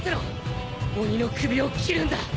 鬼の首を斬るんだ。